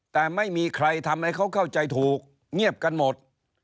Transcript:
แต่ไม่มีใครทำให้เขาเข้าใจถูกเงียบกันหมด